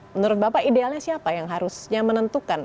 menurut bapak idealnya siapa yang harus yang menentukan